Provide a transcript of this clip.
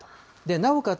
なおかつ